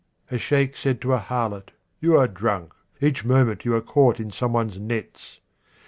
A sheikh said to a harlot, "You are drunk; each moment you are caught in some one's nets."